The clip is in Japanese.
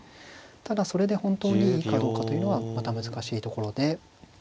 ただそれで本当にいいかどうかというのはまた難しいところで。